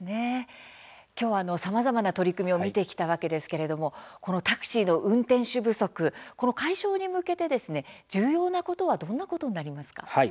今日はさまざまな取り組みを見てきたわけですけれどもタクシーの運転手不足この解消に向けて重要なことはどんなことになりますか。